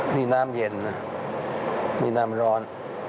นี่น้ำเย็นนะมีน้ำร้อน